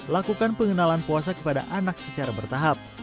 lakukan pengenalan puasa kepada anak secara bertahap